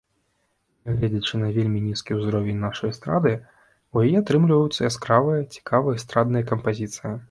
Нягледзячы на вельмі нізкі ўзровень нашай эстрады, у яе атрымліваюцца яскравыя, цікавыя эстрадныя кампазіцыі.